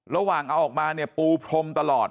ระหว่างเอาออกมาเนี่ยปูพรมตลอด